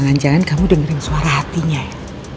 jangan jangan kamu dengerin suara hatinya ya